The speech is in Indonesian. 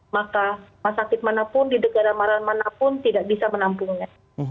maka rumah sakit manapun di negara manapun tidak bisa menampungnya